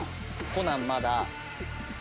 『コナン』まだ。